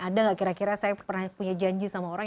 ada nggak kira kira saya pernah punya janji sama orang